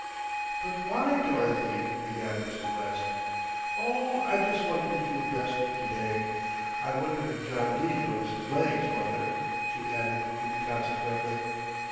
"But why, Dorothy?" began Mrs. West. "Oh, I just wanted to feel best to day. I wonder if John Dene notices legs, mother," she added inconsequently.